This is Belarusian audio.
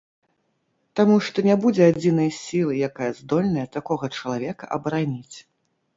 Таму што не будзе адзінай сілы, якая здольная такога чалавека абараніць.